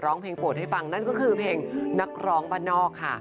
ร้องเพลงโปรดให้ฟังนั่นก็คือเพลงนักร้องบ้านนอกค่ะ